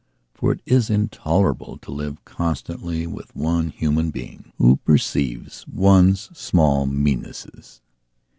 For it is intolerable to live constantly with one human being who perceives one's small meannesses.